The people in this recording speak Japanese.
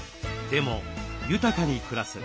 でも豊かに暮らす。